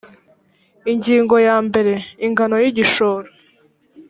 ingingo ya mbere ingano y igishoro